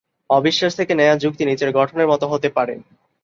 অবিশ্বাস থেকে নেয়া যুক্তি নিচের গঠনের মত হতে পারেঃ